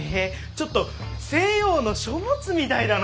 ちょっと西洋の書物みたいだな！